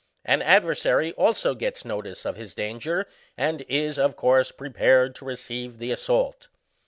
An adversary also gets notice of his danger, and is, of course prepared to receive the assault.